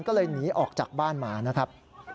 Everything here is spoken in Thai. ก็เลยหนีออกจากบ้านมานะครับ